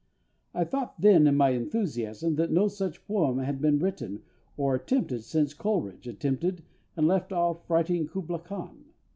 I thought then in my enthusiasm that no such poem had been written or attempted since COLERIDGE attempted, and left off writing, Kubla Khan.